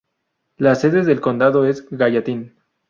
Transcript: La sede del condado es Gallatin.